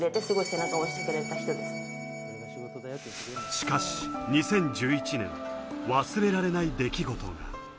しかし２０１１年、忘れられない出来事が。